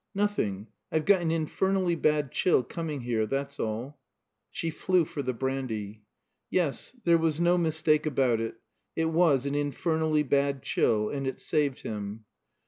"Nothing. I've got an infernally bad chill coming here, that's all." She flew for the brandy. Yes; there was no mistake about it. It was an infernally bad chill, and it saved him.